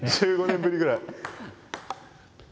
１５年ぶりぐらい。